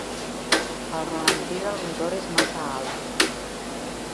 El ralentí del motor és massa alt.